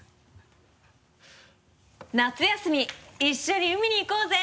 「夏休み一緒に海に行こうぜ」